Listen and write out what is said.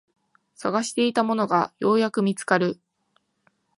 探していたものがようやく見つかる